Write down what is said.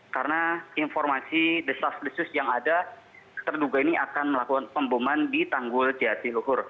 karena informasi desas desus yang ada terduga ini akan melakukan pemboman di tanggul jatiluhur